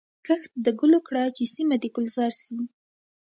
کښت د ګلو کړه چي سیمه دي ګلزار سي